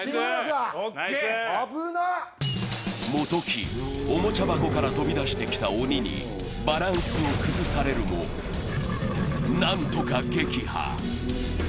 元木、おもちゃ箱から飛び出してきた鬼にバランスを崩されるもなんとか撃破。